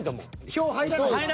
票入らない。